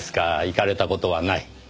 行かれた事はない。